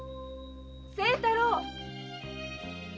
清太郎！